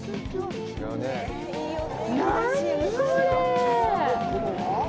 何これ！